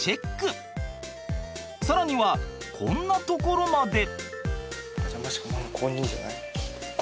更にはこんなところまで。